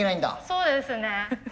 そうですね。